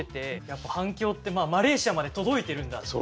やっぱ反響ってマレーシアまで届いてるんだって。